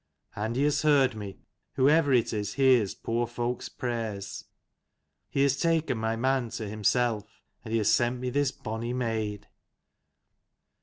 And he has heard me, whoever it is hears poor folk's prayers. He has taken my man to himself, and he has sent me this bonny maid."